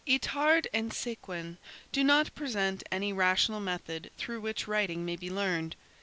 Itard and Séquin do not present any rational method through which writing may be learned.